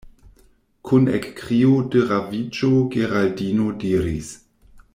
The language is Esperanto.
Kun ekkrio de raviĝo Geraldino diris: